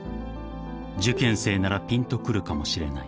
［受験生ならぴんとくるかもしれない］